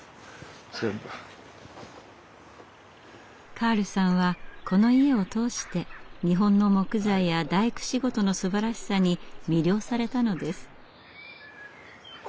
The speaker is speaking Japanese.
カールさんはこの家を通して日本の木材や大工仕事のすばらしさに魅了されたのです。